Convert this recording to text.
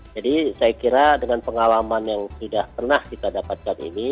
jadi saya kira dengan pengalaman yang sudah pernah kita dapatkan ini